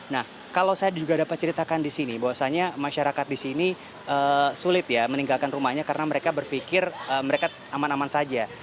nah kalau saya juga dapat ceritakan di sini bahwasannya masyarakat di sini sulit ya meninggalkan rumahnya karena mereka berpikir mereka aman aman saja